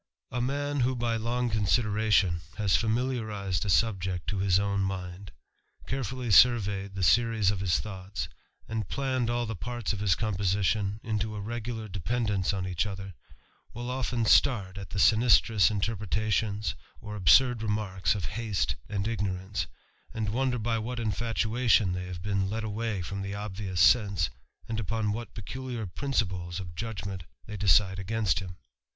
* A man who by long consideration has familiarised a subject to his own mind, carefully surveyed the series of his thoughts, and planned all the parts of his composition into a regular dependence on each other, will often start at the sinistrous ^terpretations or absurd remarks of haste and ignorance, ^d wonder by what infatuation they have been led away from the obvious sense, and upon what peculiar principles of judgment they decide against him.